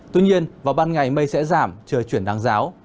tuy nhiên vào ban ngày mây sẽ giảm trời chuyển nắng giáo